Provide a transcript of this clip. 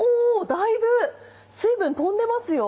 だいぶ水分飛んでますよ。